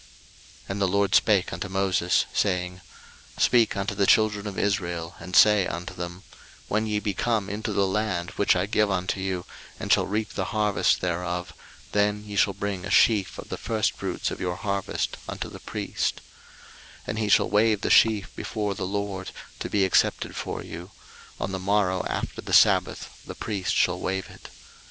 03:023:009 And the LORD spake unto Moses, saying, 03:023:010 Speak unto the children of Israel, and say unto them, When ye be come into the land which I give unto you, and shall reap the harvest thereof, then ye shall bring a sheaf of the firstfruits of your harvest unto the priest: 03:023:011 And he shall wave the sheaf before the LORD, to be accepted for you: on the morrow after the sabbath the priest shall wave it.